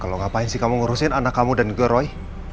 kalau ngapain sih kamu ngurusin anak kamu dan geroy